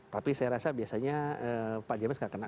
tapi saya rasa biasanya pak james gak kena